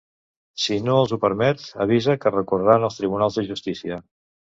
Si no els ho permet, avisa que recorreran als tribunals de justícia.